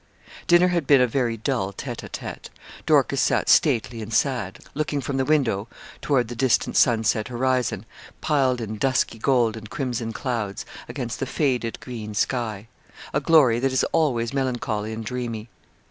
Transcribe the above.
Dinner had been a very dull tête à tête. Dorcas sat stately and sad looking from the window toward the distant sunset horizon, piled in dusky gold and crimson clouds, against the faded, green sky a glory that is always melancholy and dreamy.